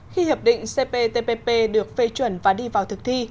khi hiệp định cptpp được phê chuẩn và đi vào thực thi